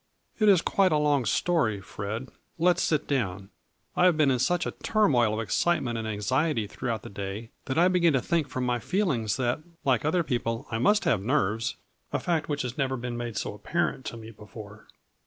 " It is quite a long story, Fred. Let 's sit down ; I have been in such a turmoil of excite ment and anxiety throughout the day that I begin to think from my feelings that, like other people, I must have nerves, a fact which has never been made so apparent to me before.